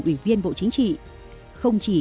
ủy viên bộ chính trị không chỉ